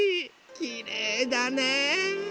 きれいだね。